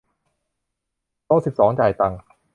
โต๊ะสิบสอง จ่ายตังค์